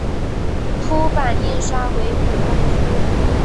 凸版印刷为母公司。